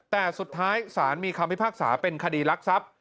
แต่สุดท้ายศาลมีคำพิพากษาเป็นคดีรักทรัพย์